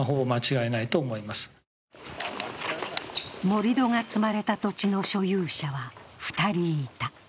盛り土が積まれた土地の所有者は２人いた。